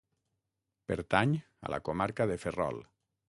Pertany a la comarca de Ferrol.